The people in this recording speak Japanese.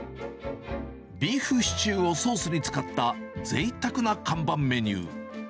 ビーフシチューをソースに使ったぜいたくな看板メニュー。